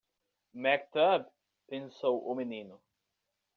Maktub? pensou o menino.